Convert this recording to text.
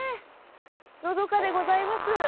のどかでございます。